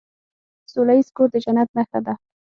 سوله ایز کور د جنت نښه ده.